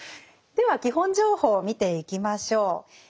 では基本情報を見ていきましょう。